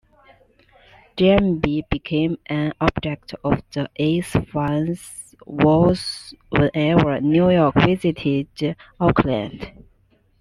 Giambi became an object of the A's fans' wrath whenever New York visited Oakland.